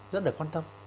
rất là quan tâm